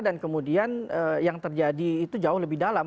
dan kemudian yang terjadi itu jauh lebih dalam